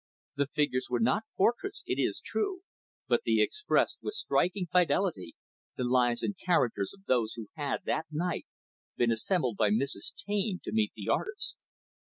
The figures were not portraits, it is true, but they expressed with striking fidelity, the lives and characters of those who had, that night, been assembled by Mrs. Taine to meet the artist.